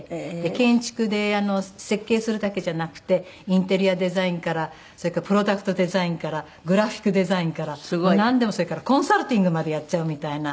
建築で設計するだけじゃなくてインテリアデザインからそれからプロダクトデザインからグラフィックデザインからなんでもそれからコンサルティングまでやっちゃうみたいな。